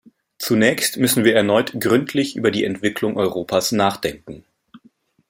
Zunächst müssen wir erneut gründlich über die Entwicklung Europas nachdenken.